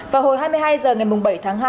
vào hồi hai mươi hai h ngày bảy tháng